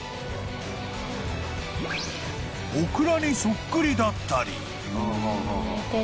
［オクラにそっくりだったり］